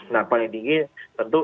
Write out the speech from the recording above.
nah paling tinggi tentu